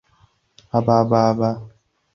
慢性感染数年后会导致肝硬化或肝癌。